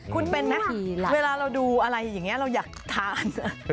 คุณเป็นไหมเวลาเราดูอะไรอย่างนี้เราอยากทาน